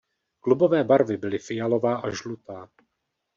Klubové barvy byly fialová a žlutá.